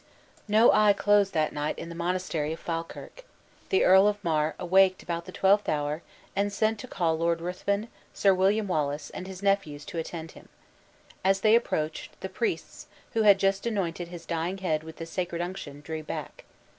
No eye closed that night in the monastery of Falkirk. The Earl of Mar awaked about the twelfth hour, and sent to call Lord Ruthven, Sir William Wallace, and his nephews, to attend him. As they approached, the priests, who had just anointed his dying head with the sacred unction, drew back.